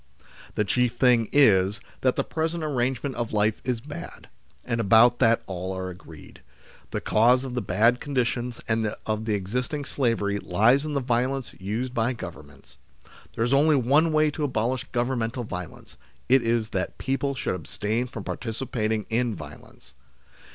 The chief thing is, that the present arrange ment of life is bad ; about that all are agreed. The cause of the bad conditions and of the existing slavery lies in the violence used by Governments. There is only one way to abolish Governmental violence ; it is that people 122 THE SLAVERY OF OUR TIMES should abstain from participating in violence.